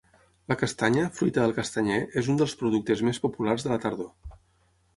La castanya, fruita del castanyer, és un dels productes més populars de la tardor.